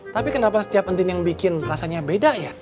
tapi kenapa setiap entin yang bikin rasanya beda ya